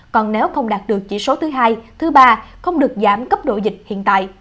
còn nếu không đạt được chỉ số thứ hai thứ ba không được giảm cấp độ dịch hiện tại